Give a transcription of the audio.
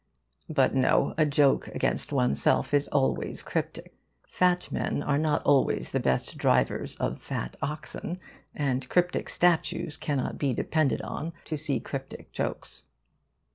but no, a joke against oneself is always cryptic. Fat men are not always the best drivers of fat oxen; and cryptic statues cannot be depended on to see cryptic jokes.